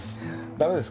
駄目です。